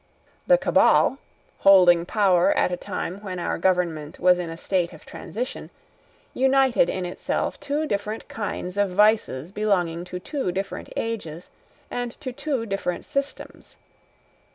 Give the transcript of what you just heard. The Cabal, holding power at a time when our government was in a state of transition, united in itself two different kinds of vices belonging to two different ages and to two different systems.